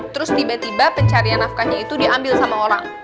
terus tiba tiba pencarian nafkahnya itu diambil sama orang